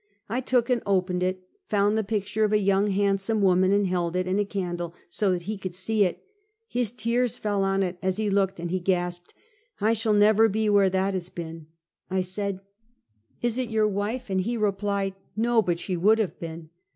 I took and opened it; found the picture of a young, handsome woman, and held it and a candle, so that he could see it. His tears fell on it, as he looked, and he gasped, " I shall never be where that has been." I said: " Is it your wife? " and he replied, "No! but she would have been."